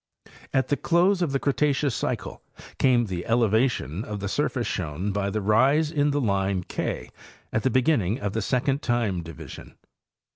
Atthe close of the Cretaceous cycle came the elevation of the surface shown by the rise in the line K at the beginning of the second time division.